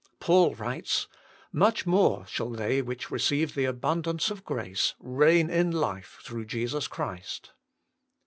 Paul writes :" Much more shall they which receive the abundance of grace reign in life through Jesus Christ."